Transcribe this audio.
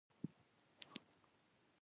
د یتیمانو حق ورکوئ؟